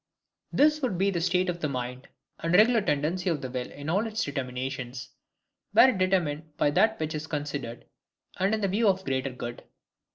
This would be the state of the mind, and regular tendency of the will in all its determinations, were it determined by that which is considered and in view the greater good.